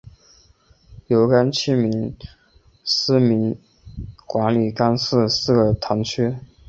由廿七名司铎名管理廿四个堂区。